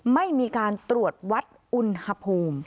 ไม่มีการตรวจวัดอุณหภูมิ